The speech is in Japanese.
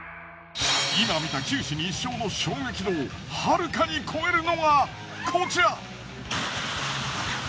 今見た九死に一生の衝撃度をはるかに超えるのがこちら！